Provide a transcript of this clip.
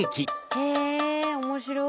へえ面白い。